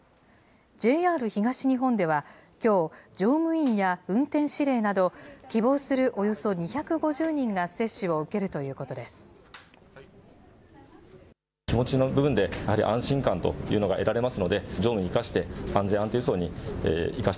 ＪＲ東日本では、きょう、乗務員や運転指令など、希望するおよそ２５０人が接種を受けるということです。